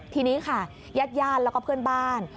ทีนี้ค่ะยาดแล้วก็เพื่อนบ้าน